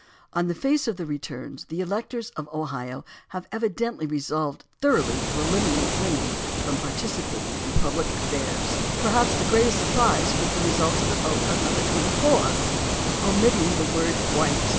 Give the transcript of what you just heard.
On the face of the returns the electors of Ohio have evi dently resolved thoroughly to ehminate women from participation in pubhc affairs. Perhaps the greatest surprise was the result of the vote on No. 24, "Omitting the Word 'White.'